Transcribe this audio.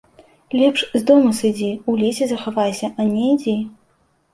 Лепш з дому сыдзі, у лесе захавайся, а не ідзі.